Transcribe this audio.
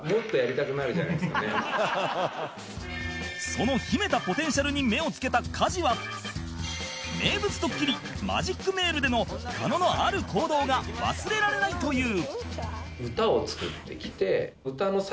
その秘めたポテンシャルに目を付けた加地は名物ドッキリマジックメールでの狩野のある行動が忘れられないという